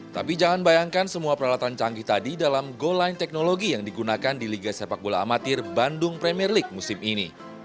tapi jangan bayangkan semua peralatan canggih tadi dalam goal line teknologi yang digunakan di liga sepak bola amatir bandung premier league musim ini